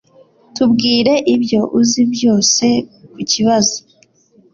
Tubwire ibyo uzi byose kukibazo